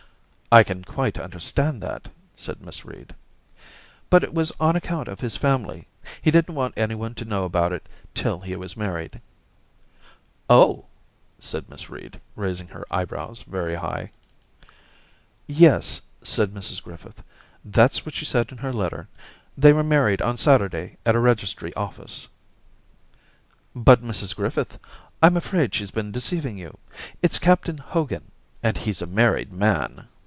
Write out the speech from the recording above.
' I can quite understand that,' said Miss Reed. * But it was on account of his family. He didn't want anyone to know about it till he was married.' *Oh!' said Miss Reed, raising her eye brows very high. * Yes,' said Mrs Griffith, 'that's what she said in her letter; they were married on Saturday at a registry office.' 230 Orientations ' But, Mrs Griffith, Tm afraid she's been deceiving you. It's Captain Hogan. ... and he's a married man.'